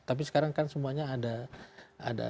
tapi sekarang kan semuanya ada